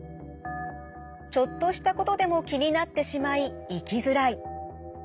ちょっとしたことでも気になってしまい生きづらい。